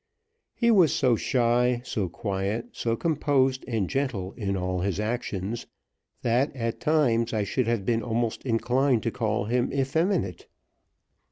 He was so shy, so quiet, so composed and gentle in all his actions, that at times I should have been almost inclined to call him effeminate.